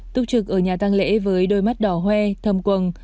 túc trực ở nhà tăng lễ với đôi mắt đỏ hoe thầm quầng